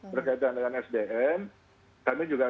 berkaitan dengan sdm kami juga